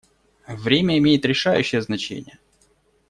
Время имеет решающее значение.